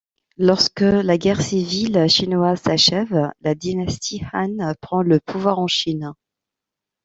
Lorsque la guerre civile Chinoise s’achève, la dynastie Han prend le pouvoir en Chine.